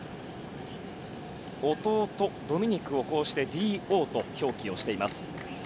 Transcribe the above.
弟のドミニクをＤｏと表記しています。